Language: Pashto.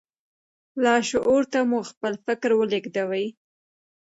لاشعور ته مو خپل فکر ولېږدوئ.